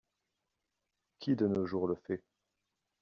Qui de nos jours le fait?